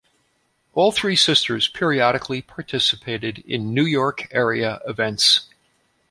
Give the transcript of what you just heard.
All three sisters periodically participated in New York-area events.